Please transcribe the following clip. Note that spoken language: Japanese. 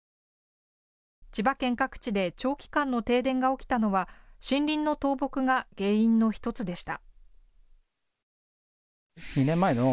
千葉県各地で長期間の停電が起きたのは森林の倒木が原因の１つでした。